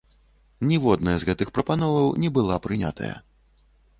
Ніводная з гэтых прапановаў не была прынятая.